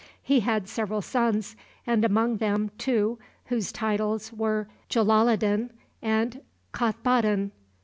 He had several sons, and among them two whose titles were Jalaloddin and Kothboddin.